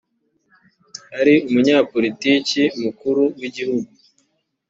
ari umunyapolitiki mukuru w igihugu